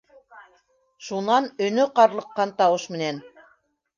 Шунан өнө ҡарлыҡҡан тауыш менән: